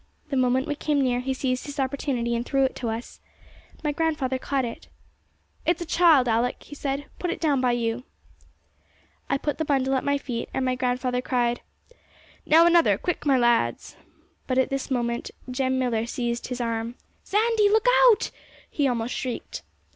The moment we came near, he seized his opportunity and threw it to us. My grandfather caught it. [Illustration: 'IT'S A CHILD, ALICK', HE SAID, 'PUT IT DOWN BY YOU'] 'It's a child, Alick!' he said; 'put it down by you.' I put the bundle at my feet, and my grandfather cried, 'Now another; quick, my lads!' But at this moment Jem Millar seized his arm. 'Sandy! look out!' he almost shrieked.